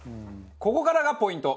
ここからがポイント。